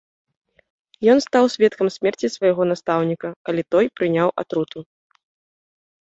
Ен стаў сведкам смерці свайго настаўніка, калі той прыняў атруту.